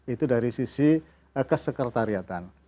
itu dari sisi kesekretariatan